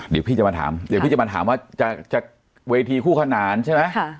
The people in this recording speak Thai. เดี๋ยวพี่จะมาถามว่าเวทีคู่ขนานใช่ไหม